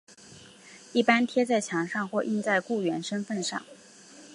一般贴在墙上或印在雇员身份上。